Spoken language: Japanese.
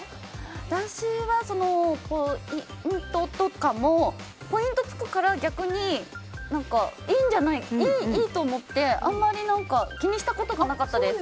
私はポイントとかもポイント付くから逆にいいと思ってあまり、気にしたことがなかったです。